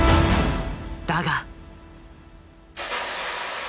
だが。